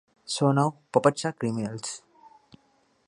So, now, puppets are criminals.